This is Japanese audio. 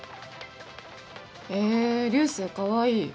えぇ流星かわいい。